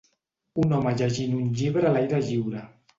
Un home llegint un llibre a l'aire lliure.